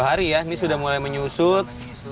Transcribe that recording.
dua hari ya ini sudah mulai menyusut